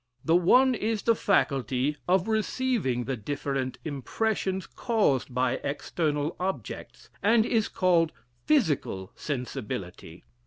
The one is the faculty of receiving the different impressions caused by external objects, and is called Physical Sensibility.